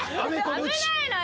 危ないのよ。